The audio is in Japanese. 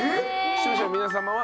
視聴者の皆様は。